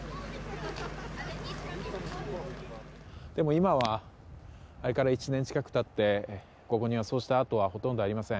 でも、今はあれから１年近く経ってここに、そうした跡はほとんどありません。